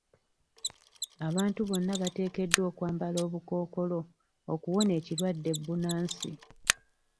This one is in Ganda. Abantu bonna bateekeddwa okwambala obukookolo okuwona ekirwadde bbunansi.